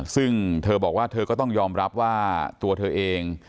ซึ่งเธอบอกว่าเธอก็ต้องยอมรับว่าตัวเธอเอง